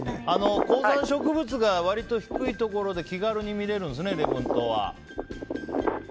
高山植物が割と低いところで気軽に見れるんですね礼文島は。